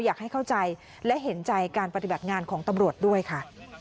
อยากให้เข้าใจและเห็นใจการปฏิบัติงานของตำรวจด้วยค่ะ